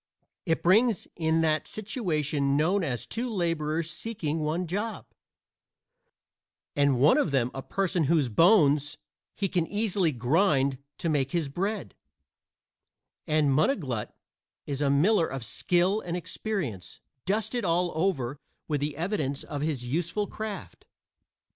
It brings in that situation known as two laborers seeking one job and one of them a person whose bones he can easily grind to make his bread; and Munniglut is a miller of skill and experience, dusted all over with the evidence of his useful craft.